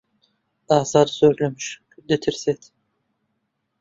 ئازاد زۆر لە مشک دەترسێت.